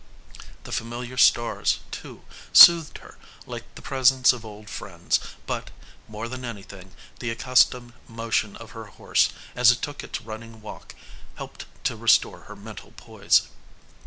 The familiar stars, too, soothed her like the presence of old friends, but, more than anything, the accustomed motion of her horse, as it took its running walk, helped to restore her mental poise.